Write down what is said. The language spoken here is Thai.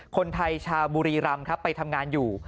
คนไทยชาวบุรีรำครับไปทำงานอยู่